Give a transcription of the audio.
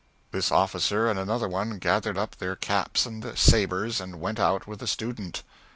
This officer and another one gathered up their caps and sabres and went out with the student.